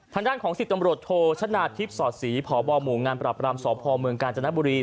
ทางด้านของสิทธิ์ตำรวจโทรชนาธิพย์ส่อสีผอบหมูงานประปรามสพเมืองกาญจนบุรี